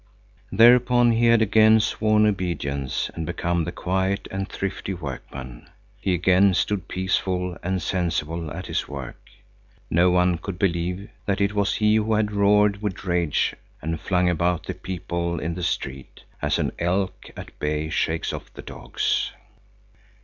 Thereupon he had again sworn obedience and become the quiet and thrifty workman. He again stood peaceful and sensible at his work. No one could believe that it was he who had roared with rage and flung about the people in the street, as an elk at bay shakes off the dogs.